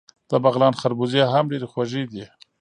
د بغلان خربوزې هم ډیرې خوږې دي.